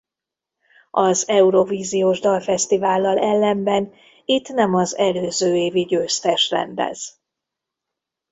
Az Eurovíziós Dalfesztivállal ellenben itt nem az előző évi győztes rendez.